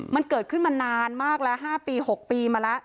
มันเกิดขึ้นมานานมากแล้ว๕ปี๖ปีมาแล้ว